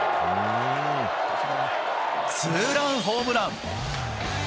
ツーランホームラン。